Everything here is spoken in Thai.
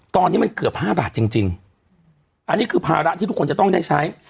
ตอนนี้มันเกือบห้าบาทจริงจริงอันนี้คือภาระที่ทุกคนจะต้องได้ใช้